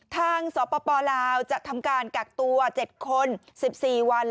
สปลาวจะทำการกักตัว๗คน๑๔วัน